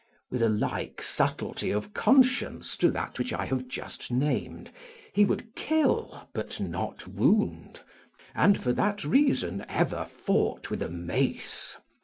With a like subtlety of conscience to that I have just named, he would kill but not wound, and for that reason ever fought with a mace.